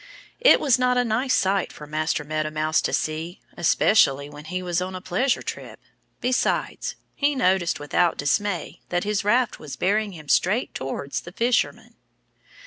It was not a nice sight for Master Meadow Mouse to see, especially when he was on a pleasure trip. Besides, he noticed with dismay that his raft was bearing him straight towards the fisherman.